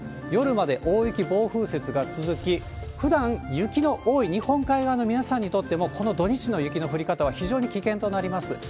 夜まで大雪、暴風雪が続き、ふだん雪の多い日本海側の皆さんにとっても、この土日の雪の降り方は非常に危険となります。